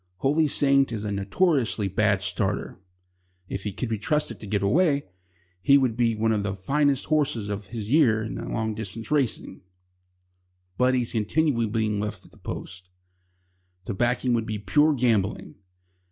Holy Saint is a notoriously bad starter. If he could be trusted to get away, he would be one of the finest horses of his year in long distance races. But he is continually being left at the post. To back him would be pure gambling.